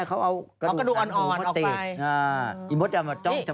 โอเคครับพี่ตามนั้นค่ะ